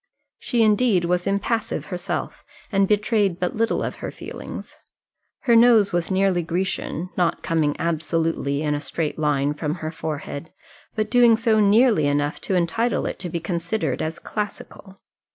She, indeed, was impassive herself, and betrayed but little of her feelings. Her nose was nearly Grecian, not coming absolutely in a straight line from her forehead, but doing so nearly enough to entitle it to be considered as classical.